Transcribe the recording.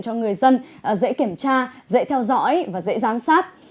cho người dân dễ kiểm tra dễ theo dõi và dễ giám sát